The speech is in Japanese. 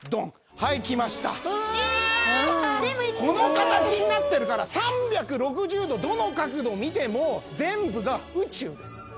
この形になってるから３６０度どの角度見ても全部が宇宙です